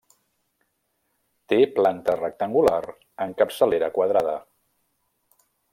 Té planta rectangular amb capçalera quadrada.